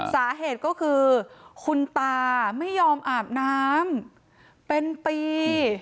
สาเหตุก็คือคุณตาไม่ยอมอาบน้ำเป็นปี